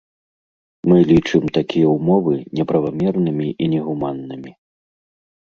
Мы лічым такія ўмовы неправамернымі і негуманнымі.